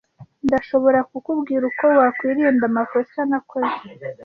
Ndashobora kukubwira uko wakwirinda amakosa nakoze.